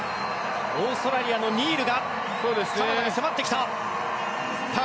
オーストラリアのニールがカナダに迫ってきた。